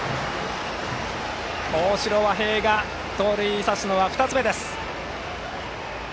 大城和平が盗塁を刺すのは２つ目です。